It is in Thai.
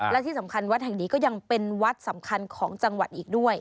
และที่สำคัญวัดแห่งนี้ก็ยังเป็นวัดสำคัญของจังหวัดอีกด้วย